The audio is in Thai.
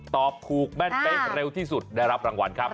ตอบถูกแม่นเป๊ะเร็วที่สุดได้รับรางวัลครับ